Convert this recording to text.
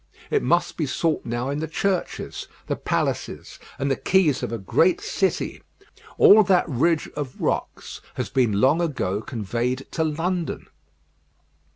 It must be sought now in the churches, the palaces, and the quays of a great city. All that ridge of rocks has been long ago conveyed to London.